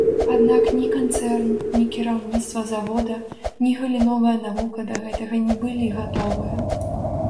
Аднак ні канцэрн, ні кіраўніцтва завода, ні галіновая навука да гэтага не былі гатовыя.